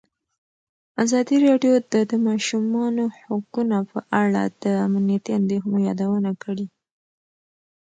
ازادي راډیو د د ماشومانو حقونه په اړه د امنیتي اندېښنو یادونه کړې.